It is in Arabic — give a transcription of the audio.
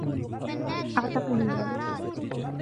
ﺃعتقد ذلك.